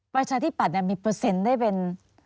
ประชาธิปัตย์มีเปอร์เซ็นต์ได้เป็น